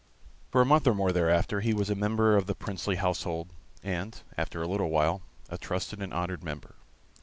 For a month or more thereafter he was a member of the princely household, and, after a little while, a trusted and honored member.